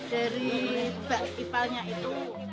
dari ipalnya itu